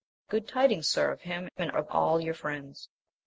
— Good tidings, sir, of him and of all your friends.